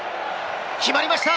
決まりました。